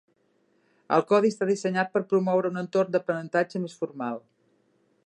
El codi està dissenyat per promoure un entorn d'aprenentatge més formal.